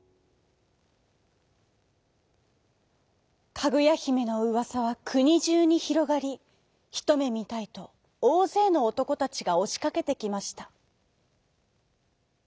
かぐやひめのうわさはくにじゅうにひろがりひとめみたいとおおぜいのおとこたちがおしかけてきました。